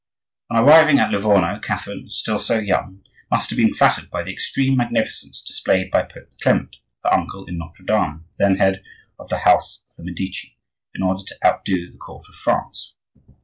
On arriving at Livorno, Catherine, still so young, must have been flattered by the extreme magnificence displayed by Pope Clement ("her uncle in Notre Dame," then head of the house of the Medici), in order to outdo the court of France.